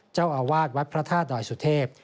เจ้าอาวาสวัดพระธาตุดอยสุเทพ